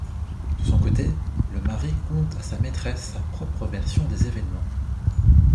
De son côté, le mari conte à sa maîtresse sa propre version des événements.